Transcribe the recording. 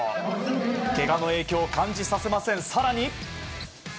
けがの影響を感じさせません。